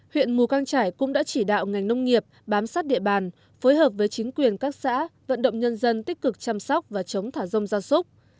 huyện mù căng trải cũng đã chỉ đạo ngành nông nghiệp bám sát địa bàn phối hợp với chính quyền các xã vận động nhân dân tích cực chăm sóc và chống thả rông gia súc